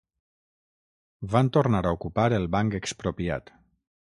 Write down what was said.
Van tornar a ocupar el Banc Expropiat